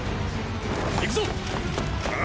行くぞっ！